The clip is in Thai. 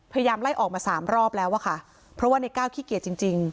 พยายามไล่ออกมาสามรอบแล้วอะค่ะเพราะว่าในก้าวขี้เกียจจริงจริง